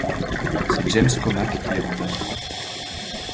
C'est James Komack qui les remplacera.